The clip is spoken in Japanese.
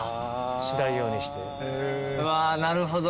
うわなるほど。